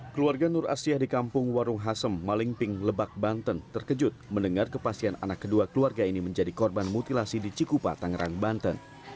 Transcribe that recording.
keluarga nur asia di kampung warung hasem malingping lebak banten terkejut mendengar kepastian anak kedua keluarga ini menjadi korban mutilasi di cikupa tangerang banten